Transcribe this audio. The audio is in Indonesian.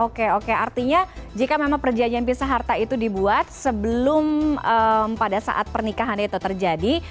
oke oke artinya jika memang perjanjian pisa harta itu dibuat sebelum pada saat pernikahan itu terjadi